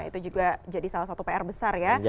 itu juga jadi salah satu pr besar ya